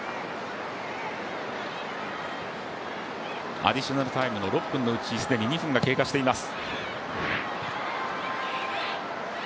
アディショナルタイムの６分のうち既に２分が経過しています。